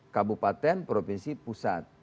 kabupaten provinsi pusat